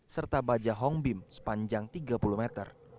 serta baja hong bim sepanjang tiga puluh meter